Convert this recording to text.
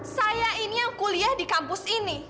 saya ini yang kuliah di kampus ini